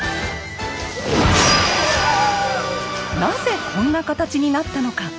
なぜこんな形になったのか。